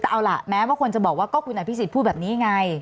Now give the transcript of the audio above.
แต่เอาล่ะแม้ว่าคนจะบอกว่าก็คุณอภิษฎพูดแบบนี้ไง